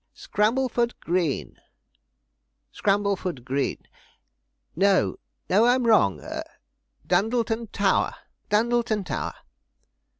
Scrambleford Green Scrambleford Green no, no, I'm wrong Dundleton Tower Dundleton Tower.'